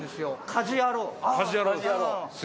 『家事ヤロウ！！！』です。